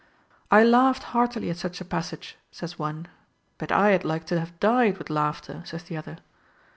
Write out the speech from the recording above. I laughed heartily at such a passage, says one ; But I had like to have died with laughter, says the other.